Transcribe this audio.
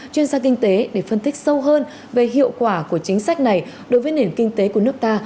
chuyên gia kinh tế để phân tích sâu hơn về hiệu quả của chính sách này đối với nền kinh tế của nước ta